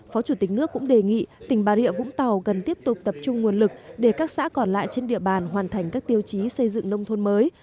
phó chủ tịch nước cũng đề nghị tỉnh bà rịa vũng tàu cần tiếp tục tập trung nguồn lực để các xã còn lại trên địa bàn hoàn thành các tiêu chí xây dựng nông thôn mới